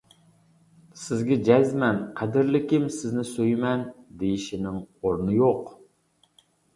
سىزگە جەزمەن «قەدىرلىكىم، سىزنى سۆيىمەن» دېيىشنىڭ ئورنى يوق.